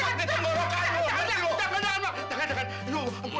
nanti jangan jangan